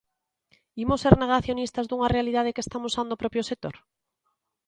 ¿Imos ser negacionistas dunha realidade que está amosando o propio sector?